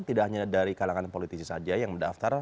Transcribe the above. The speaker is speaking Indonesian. tidak hanya dari kalangan politisi saja yang mendaftar